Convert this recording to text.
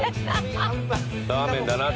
ラーメンだなって。